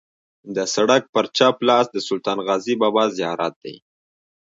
د سړک پر چپ لاس د سلطان غازي بابا زیارت دی.